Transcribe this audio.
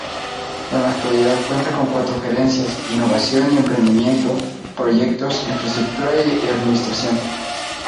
En la actualidad cuenta con cuatro gerencias: Innovación y Emprendimiento, Proyectos, Infraestructura y Administración.